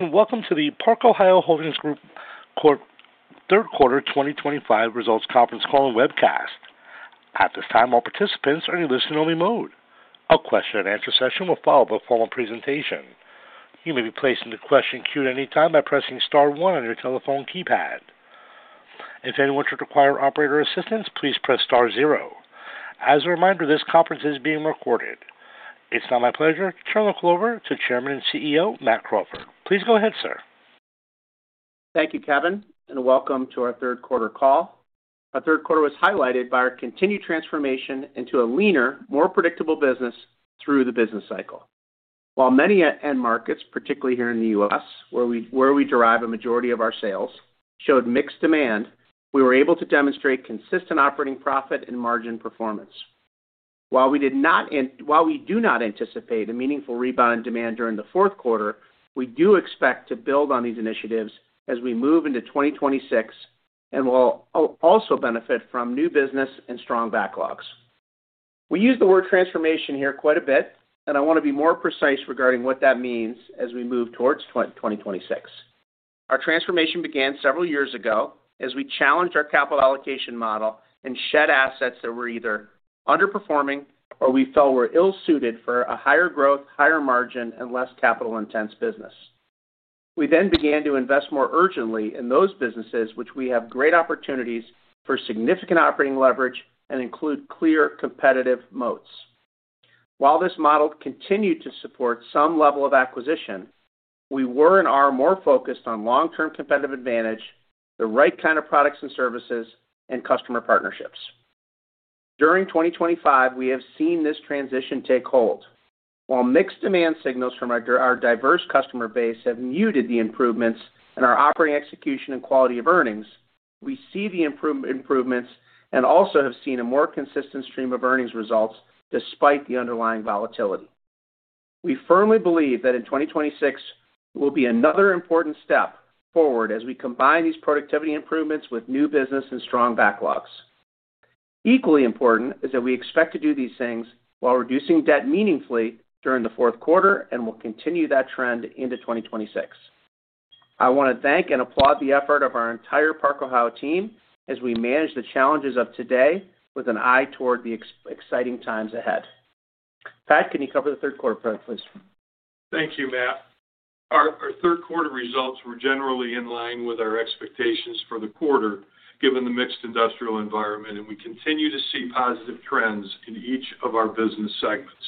Welcome to the Park-Ohio Holdings Group Corp third quarter 2025 results conference call and webcast. At this time, all participants are in a listen-only mode. A question-and-answer session will follow the formal presentation. You may be placed into question queue at any time by pressing star one on your telephone keypad. If anyone should require operator assistance, please press star zero. As a reminder, this conference is being recorded. It's now my pleasure to turn the call over to Chairman and CEO, Matt Crawford. Please go ahead, sir. Thank you, Kevin, and welcome to our third quarter call. Our third quarter was highlighted by our continued transformation into a leaner, more predictable business through the business cycle. While many end markets, particularly here in the U.S., where we derive a majority of our sales, showed mixed demand, we were able to demonstrate consistent operating profit and margin performance. While we do not anticipate a meaningful rebound in demand during the fourth quarter, we do expect to build on these initiatives as we move into 2026 and will also benefit from new business and strong backlogs. We use the word transformation here quite a bit, and I want to be more precise regarding what that means as we move towards 2026. Our transformation began several years ago as we challenged our capital allocation model and shed assets that were either underperforming or we felt were ill-suited for a higher growth, higher margin, and less capital-intense business. We then began to invest more urgently in those businesses which we have great opportunities for significant operating leverage and include clear competitive moats. While this model continued to support some level of acquisition, we were and are more focused on long-term competitive advantage, the right kind of products and services, and customer partnerships. During 2025, we have seen this transition take hold. While mixed demand signals from our diverse customer base have muted the improvements in our operating execution and quality of earnings, we see the improvements and also have seen a more consistent stream of earnings results despite the underlying volatility. We firmly believe that in 2026, there will be another important step forward as we combine these productivity improvements with new business and strong backlogs. Equally important is that we expect to do these things while reducing debt meaningfully during the fourth quarter and will continue that trend into 2026. I want to thank and applaud the effort of our entire Park-Ohio team as we manage the challenges of today with an eye toward the exciting times ahead. Pat, can you cover the third quarter for us, please? Thank you, Matt. Our third quarter results were generally in line with our expectations for the quarter given the mixed industrial environment, and we continue to see positive trends in each of our business segments.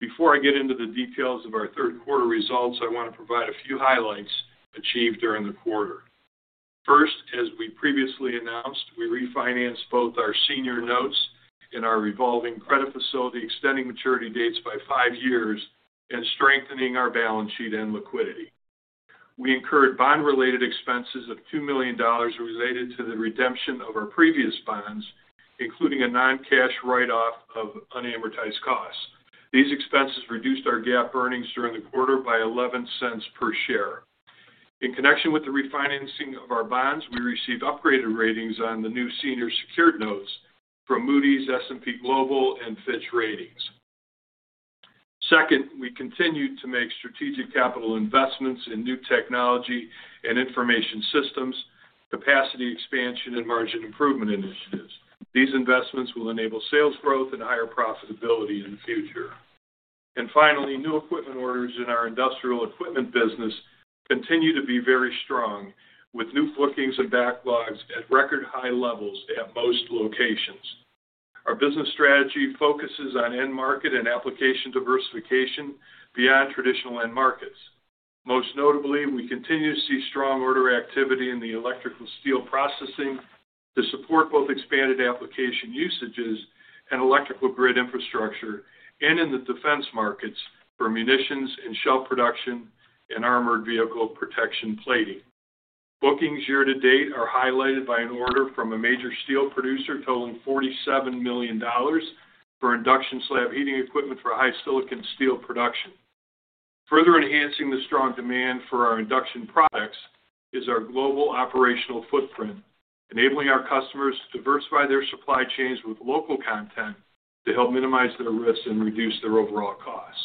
Before I get into the details of our third quarter results, I want to provide a few highlights achieved during the quarter. First, as we previously announced, we refinanced both our senior notes and our revolving credit facility, extending maturity dates by five years and strengthening our balance sheet and liquidity. We incurred bond-related expenses of $2 million related to the redemption of our previous bonds, including a non-cash write-off of unamortized costs. These expenses reduced our GAAP earnings during the quarter by $0.11 per share. In connection with the refinancing of our bonds, we received upgraded ratings on the new senior secured notes from Moody's, S&P Global, and Fitch Ratings. Second, we continued to make strategic capital investments in new technology and information systems, capacity expansion, and margin improvement initiatives. These investments will enable sales growth and higher profitability in the future. Finally, new equipment orders in our industrial equipment business continue to be very strong, with new bookings and backlogs at record high levels at most locations. Our business strategy focuses on end market and application diversification beyond traditional end markets. Most notably, we continue to see strong order activity in the electrical steel processing to support both expanded application usages and electrical grid infrastructure and in the defense markets for munitions and shell production and armored vehicle protection plating. Bookings year to date are highlighted by an order from a major steel producer totaling $47 million for induction slab heating equipment for high silicon steel production. Further enhancing the strong demand for our induction products is our global operational footprint, enabling our customers to diversify their supply chains with local content to help minimize their risks and reduce their overall costs.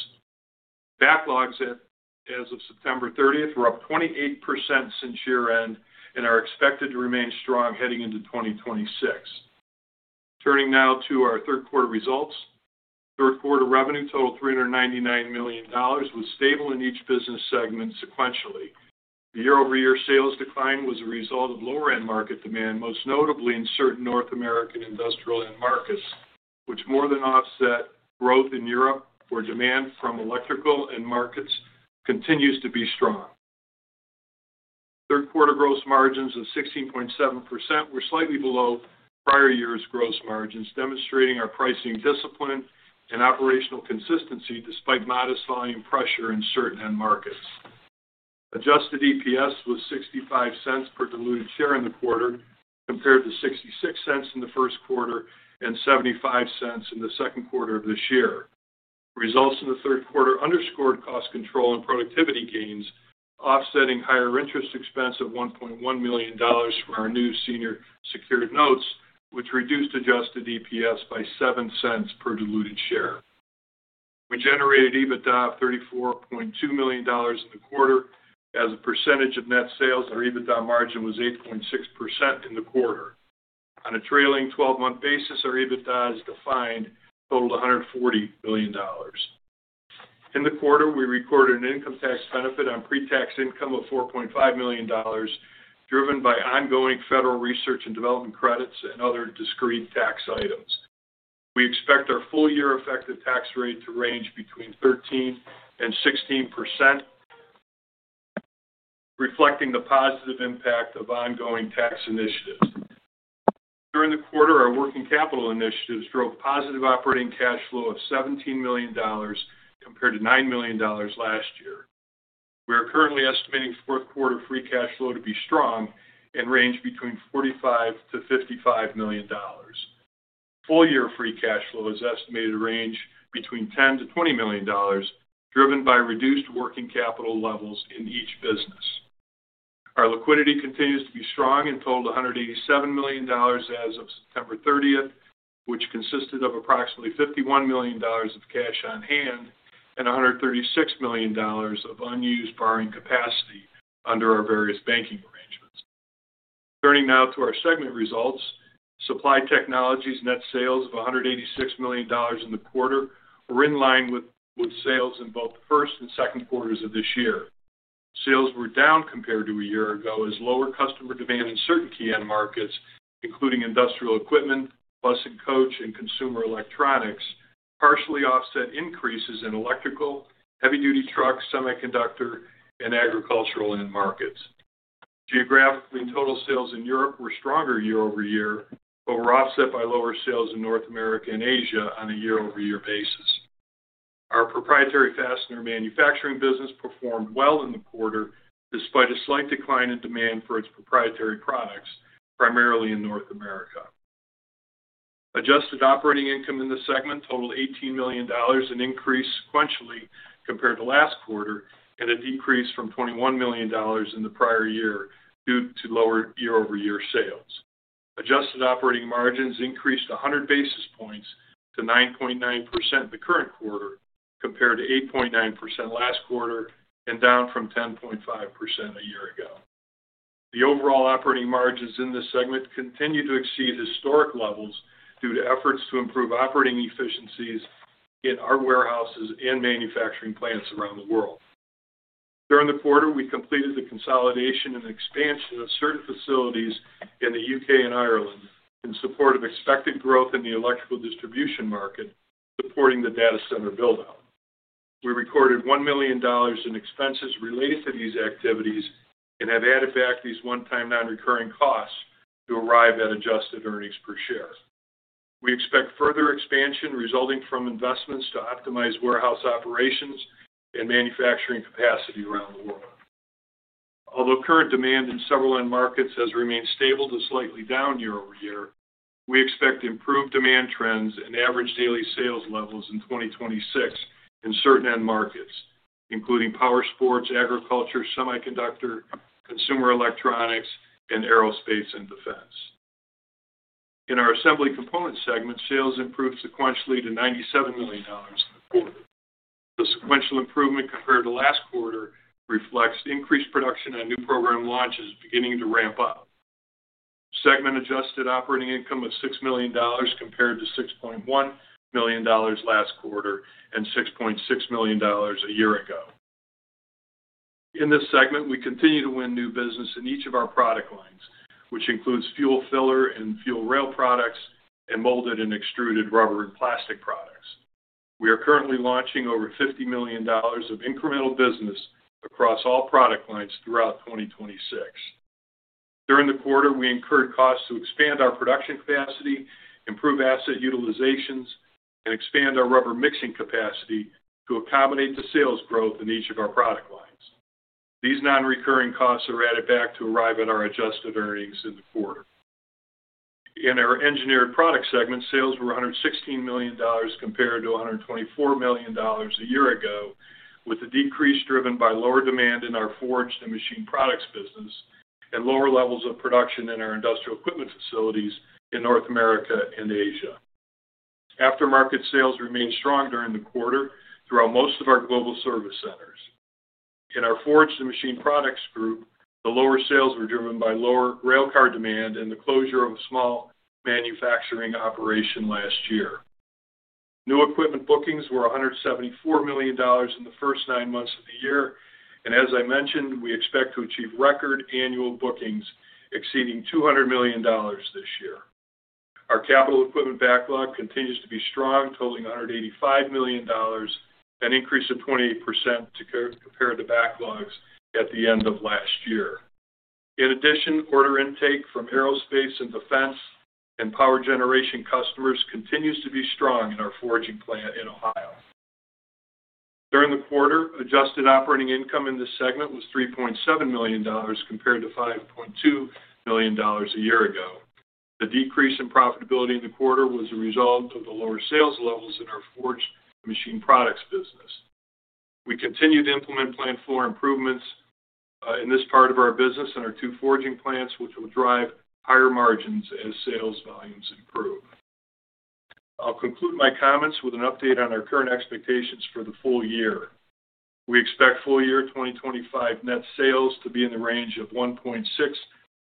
Backlogs as of September 30th were up 28% since year-end and are expected to remain strong heading into 2026. Turning now to our third quarter results, third quarter revenue totaled $399 million, which was stable in each business segment sequentially. The year-over-year sales decline was a result of lower end market demand, most notably in certain North American industrial end markets, which more than offset growth in Europe, where demand from electrical end markets continues to be strong. Third quarter gross margins of 16.7% were slightly below prior year's gross margins, demonstrating our pricing discipline and operational consistency despite modest volume pressure in certain end markets. Adjusted EPS was $0.65 per diluted share in the quarter, compared to $0.66 in the first quarter and $0.75 in the second quarter of this year. Results in the third quarter underscored cost control and productivity gains, offsetting higher interest expense of $1.1 million for our new senior secured notes, which reduced adjusted EPS by $0.07 per diluted share. We generated EBITDA of $34.2 million in the quarter. As a percentage of net sales, our EBITDA margin was 8.6% in the quarter. On a trailing 12-month basis, our EBITDA as defined totaled $140 million. In the quarter, we recorded an income tax benefit on pre-tax income of $4.5 million, driven by ongoing federal research and development credits and other discrete tax items. We expect our full-year effective tax rate to range between 13%-16%, reflecting the positive impact of ongoing tax initiatives. During the quarter, our working capital initiatives drove positive operating cash flow of $17 million. Compared to $9 million last year. We are currently estimating fourth quarter free cash flow to be strong and range between $45 million-$55 million. Full-year free cash flow is estimated to range between $10 million-$20 million, driven by reduced working capital levels in each business. Our liquidity continues to be strong and totaled $187 million as of September 30th, which consisted of approximately $51 million of cash on hand and $136 million of unused borrowing capacity under our various banking arrangements. Turning now to our segment results, Supply Technologies net sales of $186 million in the quarter were in line with sales in both the first and second quarters of this year. Sales were down compared to a year ago as lower customer demand and uncertainty in end markets, including industrial equipment, bus and coach, and consumer electronics, partially offset increases in electrical, heavy-duty truck, semiconductor, and agricultural end markets. Geographically, total sales in Europe were stronger year-over-year, but were offset by lower sales in North America and Asia on a year-over-year basis. Our proprietary fastener manufacturing business performed well in the quarter despite a slight decline in demand for its proprietary products, primarily in North America. Adjusted operating income in the segment totaled $18 million, an increase sequentially compared to last quarter and a decrease from $21 million in the prior year due to lower year-over-year sales. Adjusted operating margins increased 100 basis points to 9.9% in the current quarter compared to 8.9% last quarter and down from 10.5% a year ago. The overall operating margins in this segment continue to exceed historic levels due to efforts to improve operating efficiencies in our warehouses and manufacturing plants around the world. During the quarter, we completed the consolidation and expansion of certain facilities in the U.K. and Ireland in support of expected growth in the electrical distribution market, supporting the data center build-out. We recorded $1 million in expenses related to these activities and have added back these one-time non-recurring costs to arrive at adjusted earnings per share. We expect further expansion resulting from investments to optimize warehouse operations and manufacturing capacity around the world. Although current demand in several end markets has remained stable to slightly down year-over-year, we expect improved demand trends and average daily sales levels in 2026 in certain end markets, including power sports, agriculture, semiconductor, consumer electronics, and aerospace and defense. In our Assembly Components segment, sales improved sequentially to $97 million in the quarter. The sequential improvement compared to last quarter reflects increased production and new program launches beginning to ramp up. Segment-adjusted operating income of $6 million compared to $6.1 million last quarter and $6.6 million a year ago. In this segment, we continue to win new business in each of our product lines, which includes fuel filler and fuel rail products and molded and extruded rubber and plastic products. We are currently launching over $50 million of incremental business across all product lines throughout 2026. During the quarter, we incurred costs to expand our production capacity, improve asset utilizations, and expand our rubber mixing capacity to accommodate the sales growth in each of our product lines. These non-recurring costs are added back to arrive at our adjusted earnings in the quarter. In our Engineered Products segment, sales were $116 million compared to $124 million a year ago, with the decrease driven by lower demand in our forged and machine products business and lower levels of production in our industrial equipment facilities in North America and Asia. Aftermarket sales remained strong during the quarter throughout most of our global service centers. In our forged and machine products group, the lower sales were driven by lower rail car demand and the closure of a small manufacturing operation last year. New equipment bookings were $174 million in the first nine months of the year, and as I mentioned, we expect to achieve record annual bookings exceeding $200 million this year. Our capital equipment backlog continues to be strong, totaling $185 million, an increase of 28% compared to backlogs at the end of last year. In addition, order intake from aerospace and defense and power generation customers continues to be strong in our forging plant in Ohio. During the quarter, adjusted operating income in this segment was $3.7 million compared to $5.2 million a year ago. The decrease in profitability in the quarter was a result of the lower sales levels in our forged and machine products business. We continue to implement plan for improvements in this part of our business and our two forging plants, which will drive higher margins as sales volumes improve. I'll conclude my comments with an update on our current expectations for the full year. We expect full year 2025 net sales to be in the range of $1.6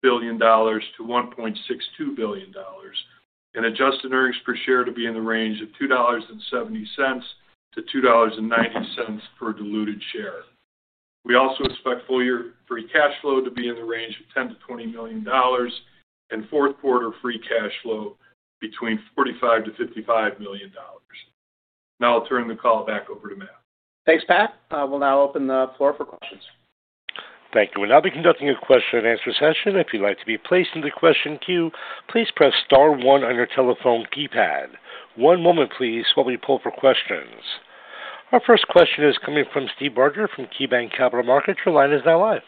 billion-$1.62 billion and adjusted earnings per share to be in the range of $2.70-$2.90 per diluted share. We also expect full year free cash flow to be in the range of $10 million-$20 million. Fourth quarter free cash flow between $45 million-$55 million. Now I'll turn the call back over to Matt. Thanks, Pat. We'll now open the floor for questions. Thank you. We'll now be conducting a question and answer session. If you'd like to be placed in the question queue, please press star one on your telephone keypad. One moment, please, while we pull for questions. Our first question is coming from Steve Barger from KeyBanc Capital Markets. Your line is now live.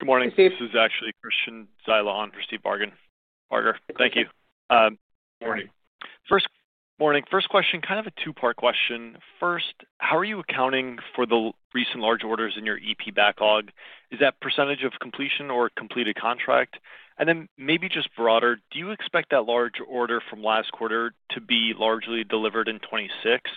Good morning. Hey, Steve. This is actually Christian Zylon for Steve Barger. Good morning. Thank you. Good morning. First, morning, first question, kind of a two-part question. First, how are you accounting for the recent large orders in your EP backlog? Is that percentage of completion or completed contract? And then maybe just broader, do you expect that large order from last quarter to be largely delivered in 2026?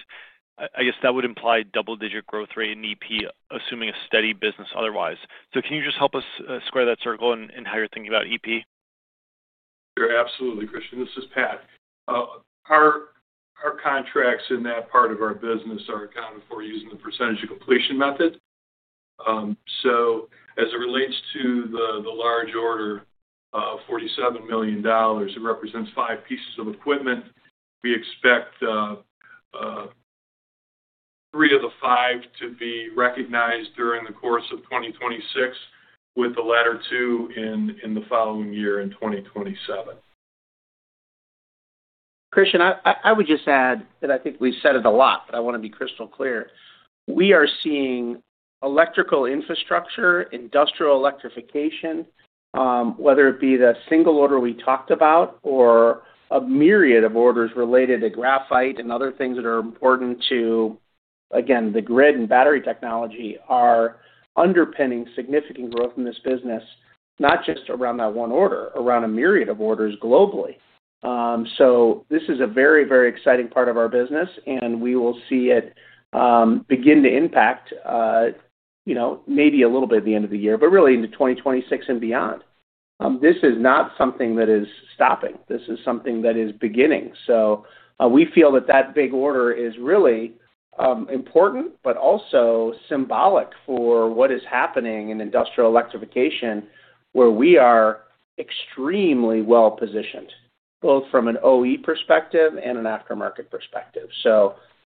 I guess that would imply double-digit growth rate in EP, assuming a steady business otherwise. Can you just help us square that circle and how you're thinking about EP? Absolutely, Christian. This is Pat. Our contracts in that part of our business are accounted for using the percentage of completion method. As it relates to the large order of $47 million, it represents five pieces of equipment. We expect three of the five to be recognized during the course of 2026, with the latter two in the following year in 2027. Christian, I would just add that I think we've said it a lot, but I want to be crystal clear. We are seeing electrical infrastructure, industrial electrification, whether it be the single order we talked about or a myriad of orders related to graphite and other things that are important too. Again, the grid and battery technology are underpinning significant growth in this business, not just around that one order, around a myriad of orders globally. This is a very, very exciting part of our business, and we will see it begin to impact maybe a little bit at the end of the year, but really into 2026 and beyond. This is not something that is stopping. This is something that is beginning. We feel that that big order is really important, but also symbolic for what is happening in industrial electrification, where we are. Extremely well positioned, both from an OE perspective and an aftermarket perspective.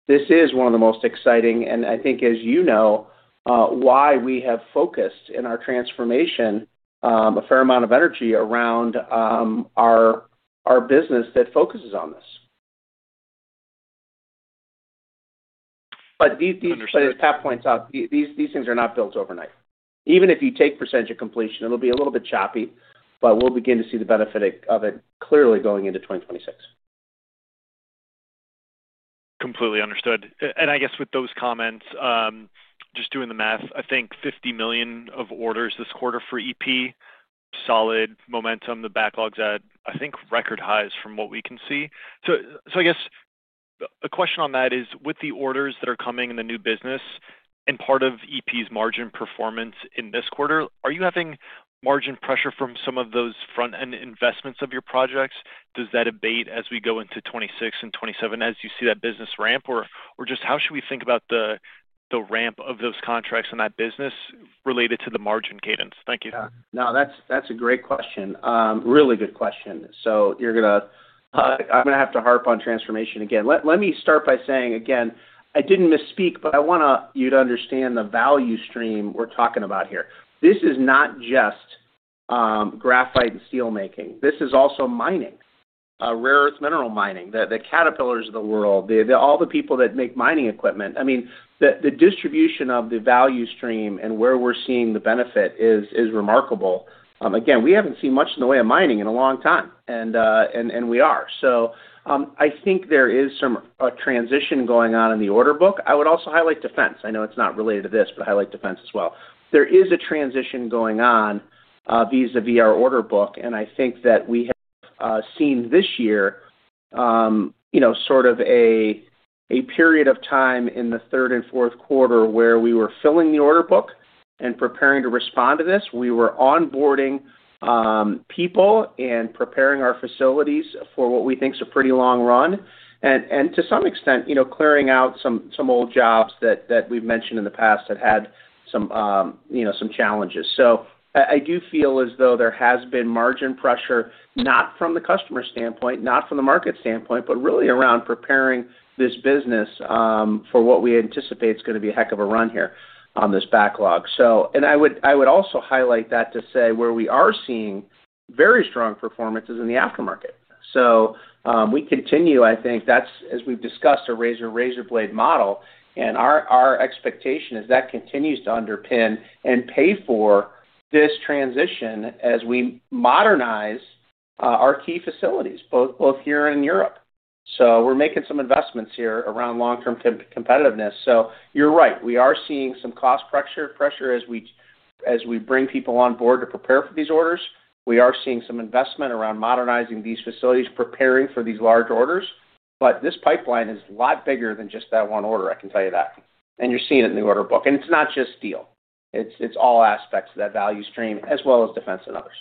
This is one of the most exciting, and I think, as you know, why we have focused in our transformation a fair amount of energy around our business that focuses on this. But these. Understood. As Pat points out, these things are not built overnight. Even if you take percentage of completion, it'll be a little bit choppy, but we'll begin to see the benefit of it clearly going into 2026. Completely understood. I guess with those comments, just doing the math, I think $50 million of orders this quarter for EP. Solid momentum. The backlog's at, I think, record highs from what we can see. I guess a question on that is, with the orders that are coming in, the new business, and part of EP's margin performance in this quarter, are you having margin pressure from some of those front-end investments of your projects? Does that abate as we go into 2026 and 2027 as you see that business ramp? Or just how should we think about the ramp of those contracts in that business related to the margin cadence? Thank you. Yeah. No, that's a great question. Really good question. You're going to—I'm going to have to harp on transformation again. Let me start by saying again, I didn't misspeak, but I want you to understand the value stream we're talking about here. This is not just graphite and steel making. This is also mining, rare earth mineral mining, the Caterpillars of the world, all the people that make mining equipment. I mean, the distribution of the value stream and where we're seeing the benefit is remarkable. Again, we haven't seen much in the way of mining in a long time, and we are. I think there is some transition going on in the order book. I would also highlight defense. I know it's not related to this, but I highlight defense as well. There is a transition going on. Vis-à-vis our order book, and I think that we have seen this year, sort of a period of time in the third and fourth quarter where we were filling the order book and preparing to respond to this. We were onboarding people and preparing our facilities for what we think is a pretty long run. To some extent, clearing out some old jobs that we've mentioned in the past had had some challenges. I do feel as though there has been margin pressure, not from the customer standpoint, not from the market standpoint, but really around preparing this business for what we anticipate is going to be a heck of a run here on this backlog. I would also highlight that to say where we are seeing very strong performances in the aftermarket. We continue, I think, as we've discussed, a razor-razor blade model. Our expectation is that continues to underpin and pay for this transition as we modernize our key facilities, both here and in Europe. We are making some investments here around long-term competitiveness. You are right. We are seeing some cost pressure as we bring people on board to prepare for these orders. We are seeing some investment around modernizing these facilities, preparing for these large orders. This pipeline is a lot bigger than just that one order, I can tell you that. You are seeing it in the order book. It is not just steel. It is all aspects of that value stream, as well as defense and others.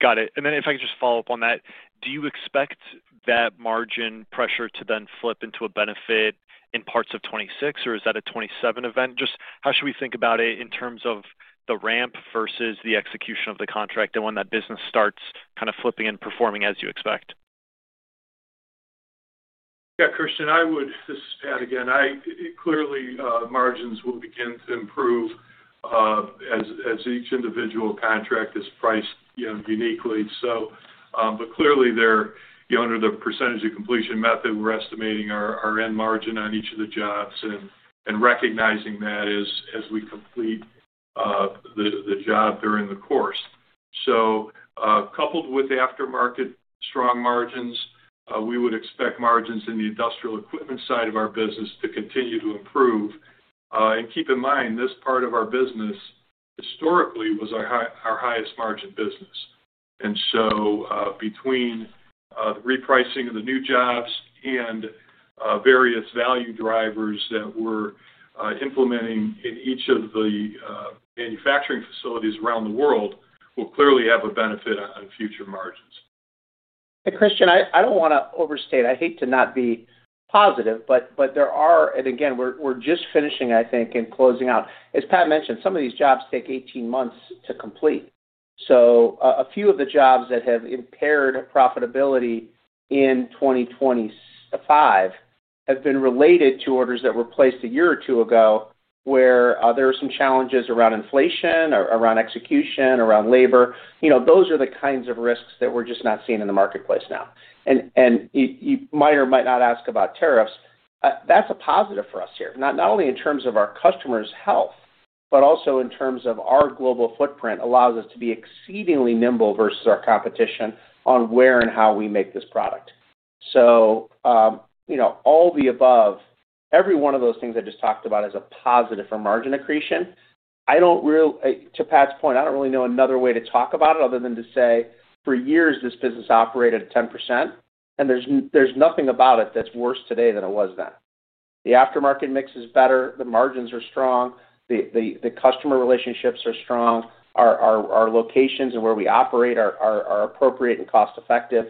Got it. If I could just follow up on that, do you expect that margin pressure to then flip into a benefit in parts of 2026, or is that a 2027 event? Just how should we think about it in terms of the ramp versus the execution of the contract and when that business starts kind of flipping and performing as you expect? Yeah, Christian, I would—this is Pat again. Clearly, margins will begin to improve. As each individual contract is priced uniquely. Clearly, under the percentage of completion method, we're estimating our end margin on each of the jobs and recognizing that as we complete the job during the course. Coupled with aftermarket strong margins, we would expect margins in the industrial equipment side of our business to continue to improve. Keep in mind, this part of our business historically was our highest margin business. Between the repricing of the new jobs and various value drivers that we're implementing in each of the manufacturing facilities around the world, this will clearly have a benefit on future margins. Hey, Christian, I do not want to overstate. I hate to not be positive, but there are—and again, we are just finishing, I think, and closing out. As Pat mentioned, some of these jobs take 18 months to complete. A few of the jobs that have impaired profitability in 2025 have been related to orders that were placed a year or two ago where there were some challenges around inflation, around execution, around labor. Those are the kinds of risks that we are just not seeing in the marketplace now. You might or might not ask about tariffs. That is a positive for us here, not only in terms of our customers' health, but also in terms of our global footprint, allows us to be exceedingly nimble versus our competition on where and how we make this product. All the above, every one of those things I just talked about is a positive for margin accretion. To Pat's point, I do not really know another way to talk about it other than to say, for years, this business operated at 10%, and there is nothing about it that is worse today than it was then. The aftermarket mix is better. The margins are strong. The customer relationships are strong. Our locations and where we operate are appropriate and cost-effective.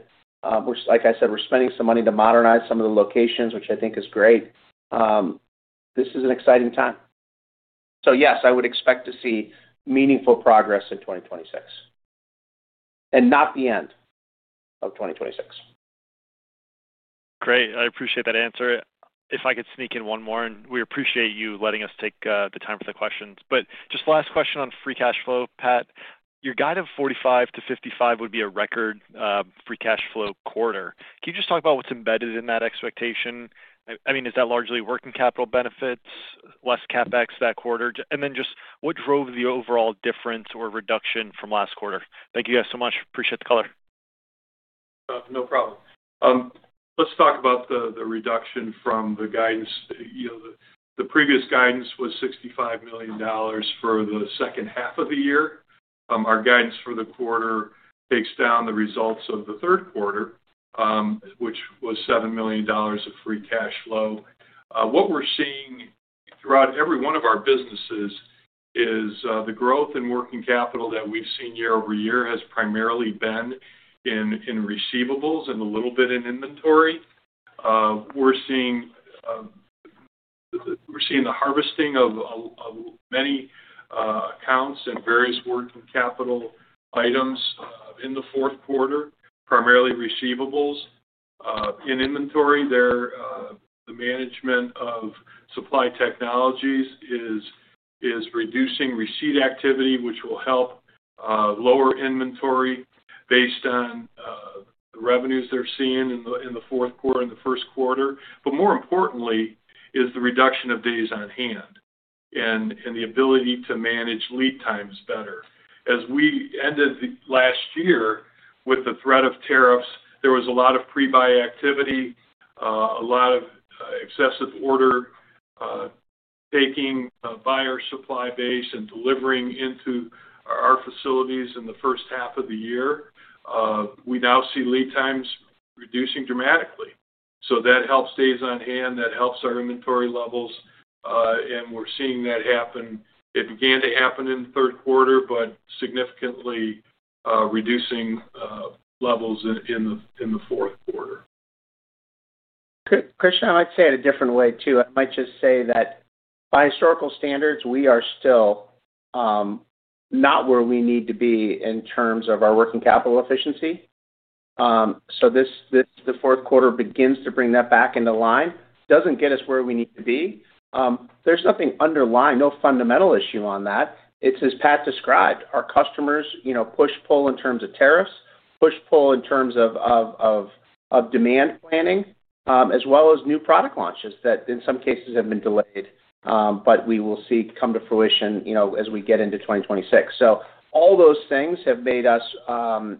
Like I said, we are spending some money to modernize some of the locations, which I think is great. This is an exciting time. Yes, I would expect to see meaningful progress in 2026, and not the end of 2026. Great. I appreciate that answer. If I could sneak in one more, and we appreciate you letting us take the time for the questions. Just last question on free cash flow, Pat. Your guide of $45-$55 would be a record free cash flow quarter. Can you just talk about what's embedded in that expectation? I mean, is that largely working capital benefits, less CapEx that quarter? Just what drove the overall difference or reduction from last quarter? Thank you guys so much. Appreciate the caller. No problem. Let's talk about the reduction from the guidance. The previous guidance was $65 million for the second half of the year. Our guidance for the quarter takes down the results of the third quarter, which was $7 million of free cash flow. What we're seeing throughout every one of our businesses is the growth in working capital that we've seen year-over-year has primarily been in receivables and a little bit in inventory. We're seeing the harvesting of many accounts and various working capital items in the fourth quarter, primarily receivables. In inventory, the management of Supply Technologies is reducing receipt activity, which will help lower inventory based on the revenues they're seeing in the fourth quarter and the first quarter. More importantly, is the reduction of days on hand and the ability to manage lead times better. As we ended last year with the threat of tariffs, there was a lot of pre-buy activity, a lot of excessive order. Taking buyer supply base and delivering into our facilities in the first half of the year. We now see lead times reducing dramatically. That helps days on hand. That helps our inventory levels. And we're seeing that happen. It began to happen in the third quarter, but significantly. Reducing levels in the fourth quarter. Christian, I might say it a different way too. I might just say that by historical standards, we are still not where we need to be in terms of our working capital efficiency. This is the fourth quarter begins to bring that back into line. Does not get us where we need to be. There is nothing underlying, no fundamental issue on that. It is as Pat described, our customers push-pull in terms of tariffs, push-pull in terms of demand planning, as well as new product launches that in some cases have been delayed, but we will see come to fruition as we get into 2026. All those things have made us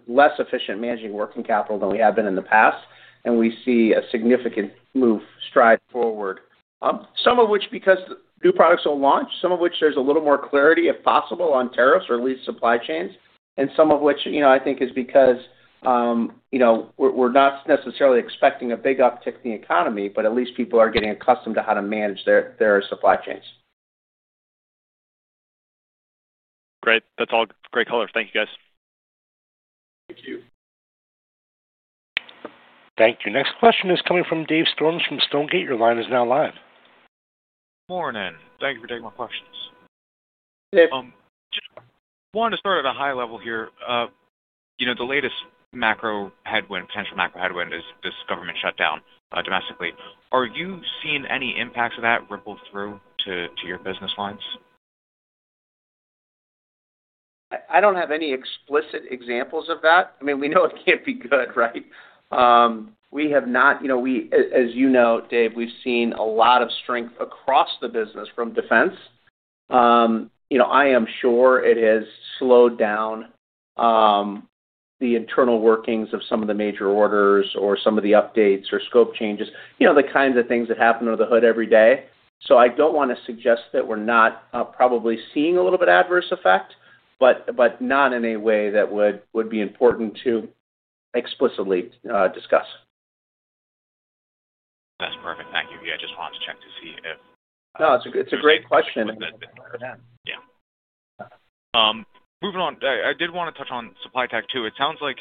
less efficient managing working capital than we have been in the past, and we see a significant move stride forward. Some of which because new products will launch, some of which there's a little more clarity, if possible, on tariffs or at least supply chains. Some of which I think is because we're not necessarily expecting a big uptick in the economy, but at least people are getting accustomed to how to manage their supply chains. Great. That's all great color. Thank you, guys. Thank you. Thank you. Next question is coming from Dave Storms from Stonegate. Your line is now live. Morning. Thank you for taking my questions. Dave. Just wanted to start at a high level here. The latest macro headwind, potential macro headwind, is this government shutdown domestically. Are you seeing any impacts of that ripple through to your business lines? I don't have any explicit examples of that. I mean, we know it can't be good, right? We have not. As you know, Dave, we've seen a lot of strength across the business from defense. I am sure it has slowed down. The internal workings of some of the major orders or some of the updates or scope changes, the kinds of things that happen under the hood every day. I don't want to suggest that we're not probably seeing a little bit of adverse effect, but not in a way that would be important to explicitly discuss. That's perfect. Thank you. Yeah, I just wanted to check to see if. No, it's a great question. Yeah. Moving on, I did want to touch on supply tech too. It sounds like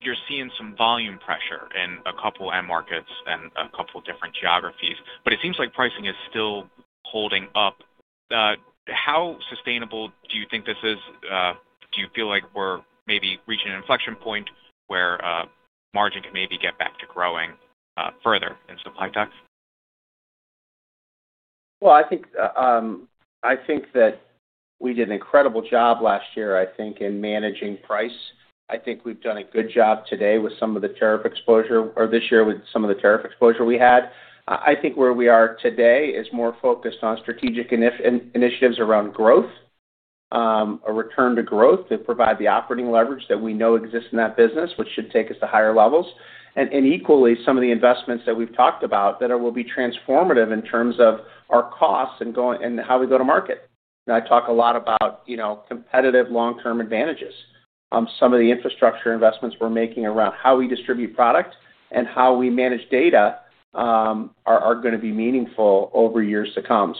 you're seeing some volume pressure in a couple of end markets and a couple of different geographies. It seems like pricing is still holding up. How sustainable do you think this is? Do you feel like we're maybe reaching an inflection point where margin can maybe get back to growing further in supply tech? I think that we did an incredible job last year, I think, in managing price. I think we've done a good job today with some of the tariff exposure, or this year with some of the tariff exposure we had. I think where we are today is more focused on strategic initiatives around growth. A return to growth to provide the operating leverage that we know exists in that business, which should take us to higher levels. Equally, some of the investments that we've talked about that will be transformative in terms of our costs and how we go to market. I talk a lot about competitive long-term advantages. Some of the infrastructure investments we're making around how we distribute product and how we manage data are going to be meaningful over years to come.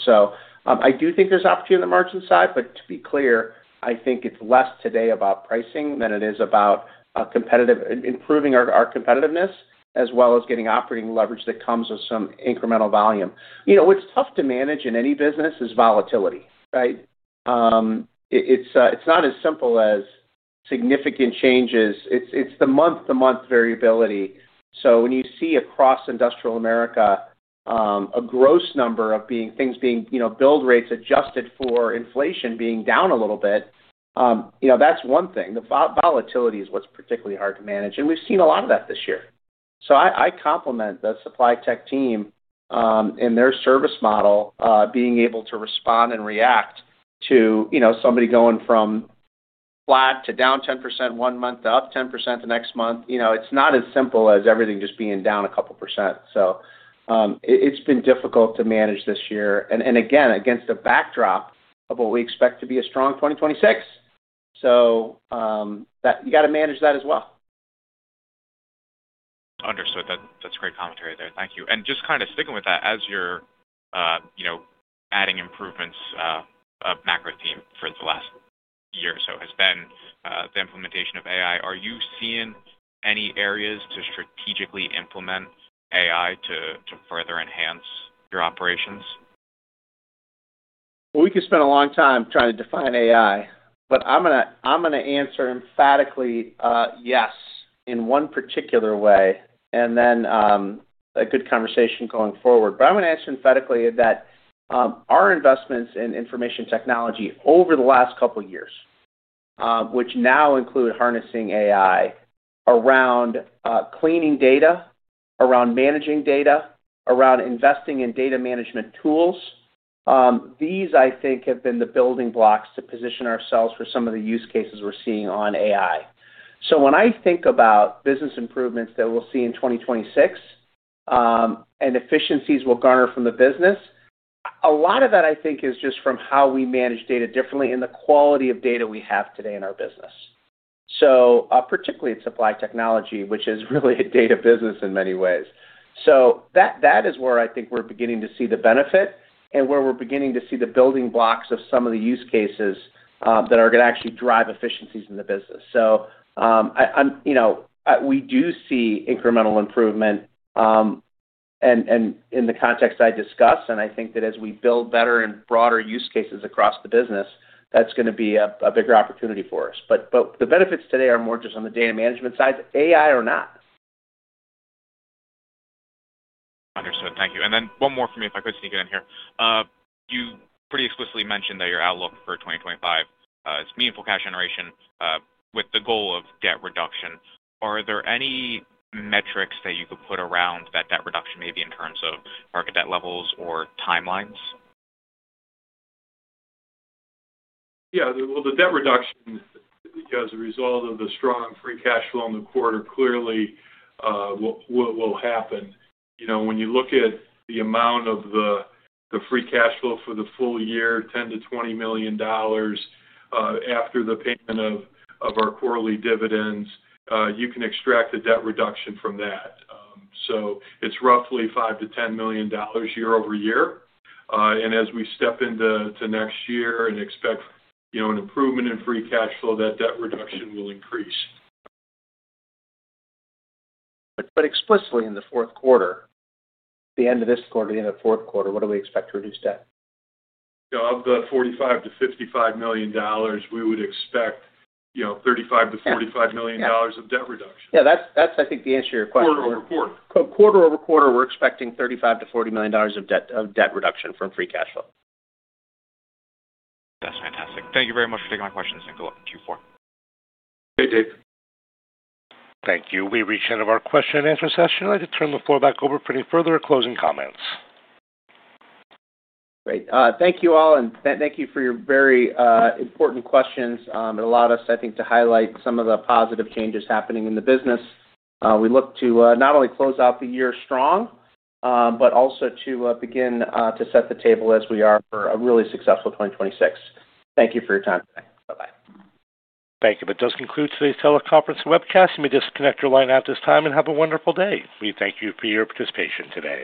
I do think there's opportunity on the margin side, but to be clear, I think it's less today about pricing than it is about improving our competitiveness, as well as getting operating leverage that comes with some incremental volume. What's tough to manage in any business is volatility, right? It's not as simple as significant changes. It's the month-to-month variability. When you see across industrial America a gross number of things being billed, rates adjusted for inflation being down a little bit, that's one thing. The volatility is what's particularly hard to manage. We've seen a lot of that this year. I compliment the supply tech team and their service model being able to respond and react to somebody going from flat to down 10% one month, up 10% the next month. It's not as simple as everything just being down a couple of percent. It's been difficult to manage this year. Again, against the backdrop of what we expect to be a strong 2026, you got to manage that as well. Understood. That's great commentary there. Thank you. Just kind of sticking with that, as you're adding improvements, a macro theme for the last year or so has been the implementation of AI. Are you seeing any areas to strategically implement AI to further enhance your operations? We could spend a long time trying to define AI, but I'm going to answer emphatically yes in one particular way, and then a good conversation going forward. I'm going to answer emphatically that our investments in information technology over the last couple of years, which now include harnessing AI around cleaning data, around managing data, around investing in data management tools, these, I think, have been the building blocks to position ourselves for some of the use cases we're seeing on AI. When I think about business improvements that we'll see in 2026 and efficiencies we'll garner from the business, a lot of that, I think, is just from how we manage data differently and the quality of data we have today in our business. Particularly in supply technology, which is really a data business in many ways. That is where I think we're beginning to see the benefit and where we're beginning to see the building blocks of some of the use cases that are going to actually drive efficiencies in the business. We do see incremental improvement in the context I discussed. I think that as we build better and broader use cases across the business, that's going to be a bigger opportunity for us. The benefits today are more just on the data management side, AI or not. Understood. Thank you. One more for me, if I could sneak it in here. You pretty explicitly mentioned that your outlook for 2025 is meaningful cash generation with the goal of debt reduction. Are there any metrics that you could put around that debt reduction, maybe in terms of market debt levels or timelines? Yeah. The debt reduction as a result of the strong free cash flow in the quarter clearly will happen. When you look at the amount of the free cash flow for the full year, $10 million-$20 million, after the payment of our quarterly dividends, you can extract the debt reduction from that. It is roughly $5 million-$10 million year-over-year. As we step into next year and expect an improvement in free cash flow, that debt reduction will increase. Explicitly in the fourth quarter, the end of this quarter, the end of the fourth quarter, what do we expect to reduce debt? Of the $45 million-$55 million, we would expect $35 million-$45 million of debt reduction. Yeah. That's, I think, the answer to your question. Quarter-over-quarter. Quarter-over-quarter, we're expecting $35 million-$40 million of debt reduction from free cash flow. That's fantastic. Thank you very much for taking my questions, and good luck with Q4. Okay, Dave. Thank you. We reached the end of our question and answer session. I'd like to turn the floor back over for any further closing comments. Great. Thank you all, and thank you for your very important questions. It allowed us, I think, to highlight some of the positive changes happening in the business. We look to not only close out the year strong, but also to begin to set the table as we are for a really successful 2026. Thank you for your time today. Bye-bye. Thank you. That does conclude today's teleconference and webcast. You may disconnect your line at this time and have a wonderful day. We thank you for your participation today.